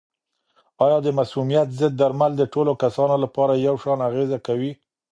آیا د مسمومیت ضد درمل د ټولو کسانو لپاره یو شان اغېزه کوي؟